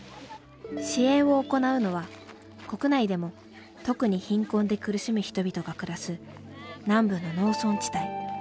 支援を行うのは国内でも特に貧困で苦しむ人々が暮らす南部の農村地帯。